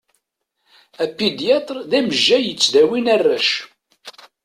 Apidyatṛ d amejjay yettdawin arrac.